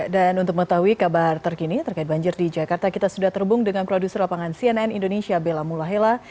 dan untuk mengetahui kabar terkini terkait banjir di jakarta kita sudah terhubung dengan produser lapangan cnn indonesia bella mulahela